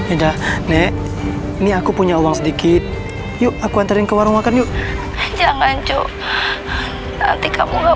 udah ini aku punya uang sedikit yuk aku entering ke warung makan node jangan cu tok nanti kamu gak